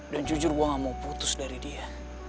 dan jujur gue gak mau putus dari dia